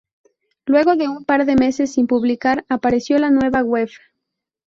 Luego de un par de meses sin publicar, apareció con la nueva web.